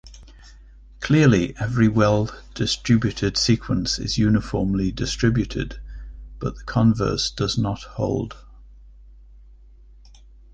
Clearly every well-distributed sequence is uniformly distributed, but the converse does not hold.